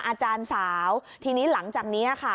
อาจารย์สาวทีนี้หลังจากนี้ค่ะ